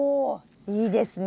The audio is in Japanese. いいですね！